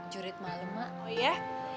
jurit malam mak